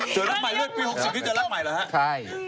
เจอรักใหม่ปี๖๐นี่เจอรักใหม่เหรอฮะ